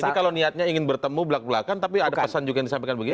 tapi kalau niatnya ingin bertemu belak belakan tapi ada pesan juga yang disampaikan begini